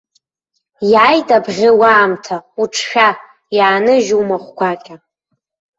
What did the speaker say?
Иааит, абӷьы, уаамҭа, уҿшәа, иааныжь умахә гәакьа.